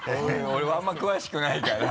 俺はあんま詳しくないから。